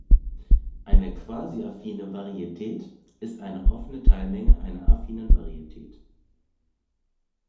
Eine "quasi-affine Varietät" ist eine offene Teilmenge einer affinen Varietät.